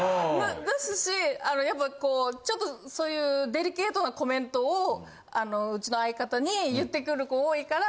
ですしあのやっぱこうちょっとそういうデリケートなコメントをあのうちの相方に言ってくる子多いから。